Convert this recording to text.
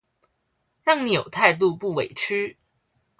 讓你有態度不委曲